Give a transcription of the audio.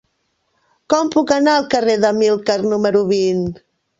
Com puc anar al carrer d'Amílcar número vint?